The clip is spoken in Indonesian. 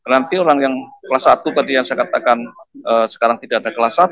nanti orang yang kelas satu tadi yang saya katakan sekarang tidak ada kelas satu